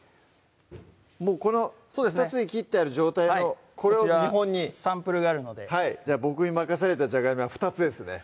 もうこの２つに切ってある状態のこれを見本にサンプルがあるので僕に任されたじゃがいもは２つですね